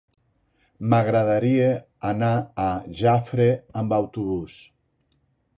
M'agradaria anar a Jafre amb autobús.